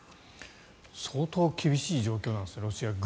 相当厳しい状況なんですね